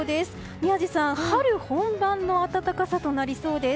宮司さん、春本番の暖かさとなりそうです。